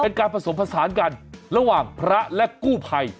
เป็นการผสมผสานกันระหว่างพระและกู้ภัย